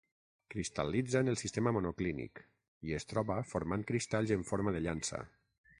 Cristal·litza en el sistema monoclínic, i es troba formant cristalls en forma de llança.